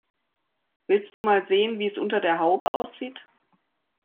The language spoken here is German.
Willst du mal sehen, wie es unter der Haube aussieht?